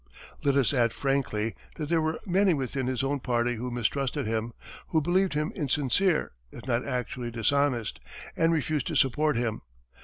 Let us add frankly that there were many within his own party who mistrusted him who believed him insincere, if not actually dishonest, and refused to support him.